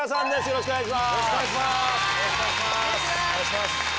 よろしくお願いします。